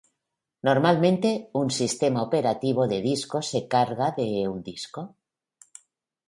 Normalmente, un sistema operativo de disco se carga de un disco.